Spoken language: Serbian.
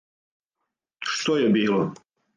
Што је било.